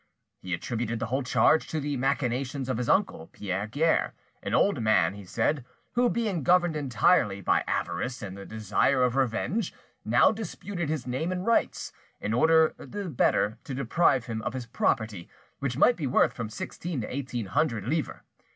He attributed the whole charge to the machinations of his uncle, Pierre Guerre; an old man, he said, who, being governed entirely by avarice and the desire of revenge, now disputed his name and rights, in order the better to deprive him of his property, which might be worth from sixteen to eighteen hundred livres.